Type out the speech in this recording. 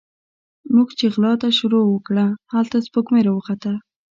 موږ چې غلا ته شروع وکړه، هلته سپوږمۍ راوخته